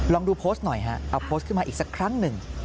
ลองดูโพสต์หน่อยฮะเอาโพสต์ขึ้นมาอีกสักครั้งหนึ่ง